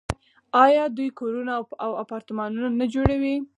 آیا دوی کورونه او اپارتمانونه نه جوړوي؟